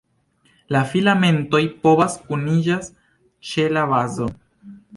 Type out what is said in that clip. La filamentoj povas kuniĝas ĉe la bazo.